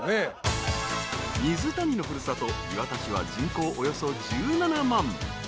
［水谷の古里磐田市は人口およそ１７万］